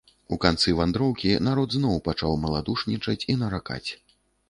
У канцы вандроўкі народ зноў пачаў маладушнічаць і наракаць.